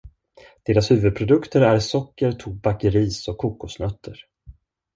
Dess huvudprodukter är socker, tobak, ris och kokosnötter.